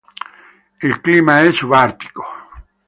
Il clima è subartico.